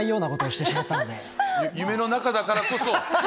夢の中だからこそ。